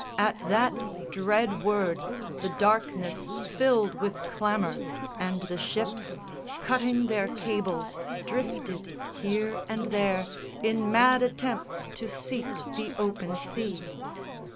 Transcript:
At that dread word The darkness filled with clamour, and the ships, Cutting their cables, drifted here and there In mad attempts to seek the open sea.